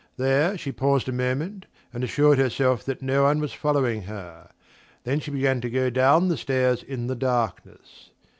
There she paused a moment, and assured herself that no one was following her; then she began to go down the stairs in the darkness.